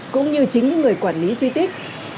cũng như chính những người quản lý di tích